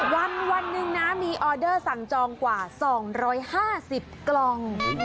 วันหนึ่งนะมีออเดอร์สั่งจองกว่า๒๕๐กล่อง